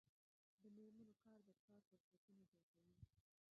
د میرمنو کار د کار فرصتونه زیاتوي.